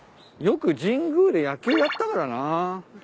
よく神宮で野球やったからな。